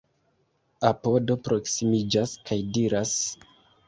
Apodo proksimiĝas kaj diras: